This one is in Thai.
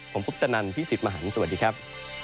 ผมภุตนันพี่สิบมหันสวัสดีครับ